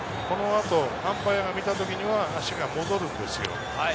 このあとアンパイアが見た時には足が戻るんですよ。